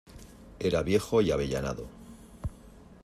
era viejo y avellanado: